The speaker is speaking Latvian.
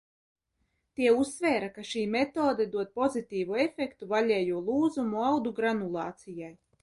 Tie uzsvēra, ka šī metode dod pozitīvu efektu vaļējo lūzumu audu granulācijai.